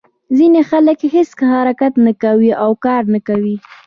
ځینې خلک هېڅ حرکت نه کوي او کار نه کوي.